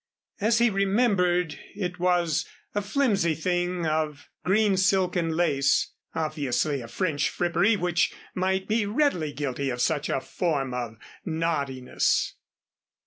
As he remembered, it was a flimsy thing of green silk and lace, obviously a French frippery which might be readily guilty of such a form of naughtiness.